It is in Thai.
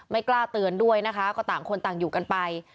กล้าเตือนด้วยนะคะก็ต่างคนต่างอยู่กันไป